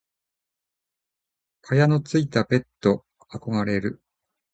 蚊帳のついたベット憧れる。